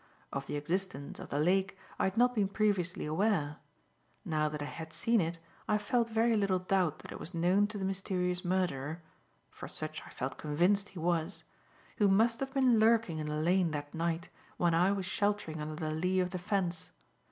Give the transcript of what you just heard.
Of the existence of the lake I had not been previously aware. Now that I had seen it, I felt very little doubt that it was known to the mysterious murderer for such I felt convinced he was who must have been lurking in the lane that night when I was sheltering under the lee of the fence.